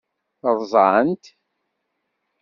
Ṛṛẓan-t?